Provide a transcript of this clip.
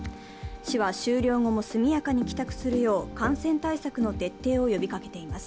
市は、終了後も速やかに帰宅するよう感染対策の徹底を呼びかけています。